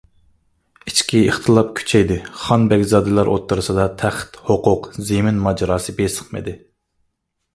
ئىچكى ئىختىلاپ كۈچەيدى، خان، بەگزادىلەر ئوتتۇرىسىدا تەخت، ھوقۇق، زېمىن ماجىراسى بېسىقمىدى.